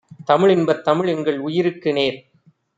தமிழ் இன்பத் தமிழ்எங்கள் உயிருக்கு நேர்!